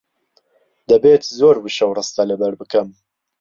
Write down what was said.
دەبێت زۆر وشە و ڕستە لەبەر بکەم.